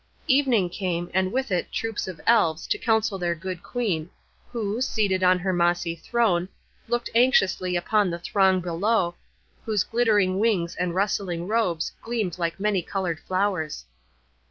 Evening came, and with it troops of Elves to counsel their good Queen, who, seated on her mossy throne, looked anxiously upon the throng below, whose glittering wings and rustling robes gleamed like many colored flowers.